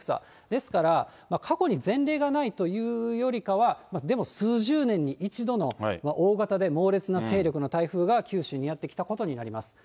ですから、過去に前例がないというよりかは、でも数十年に一度の大型で猛烈な勢力の台風が九州にやって来たことになります。